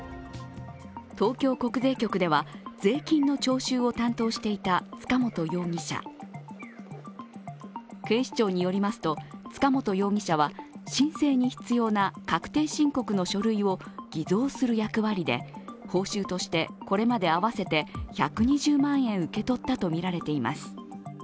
東京国税局では税金の徴収を担当していた塚本容疑者警視庁によりますと、塚本容疑者は申請に必要な確定申告の書類を偽造する役割で報酬としてこれまで合わせて１２０万円受け取ったとみられています。